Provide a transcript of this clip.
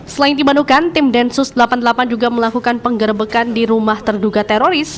selain dibantukan tim densus delapan puluh delapan juga melakukan penggerbekan di rumah terduga teroris